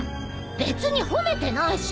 別に褒めてないし。